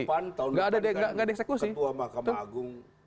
tahun depan ketua mahkamah agung